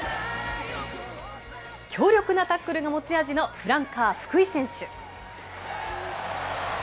強力なタックルが持ち味のフランカー、福井選手。